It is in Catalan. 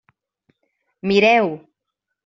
Mireu!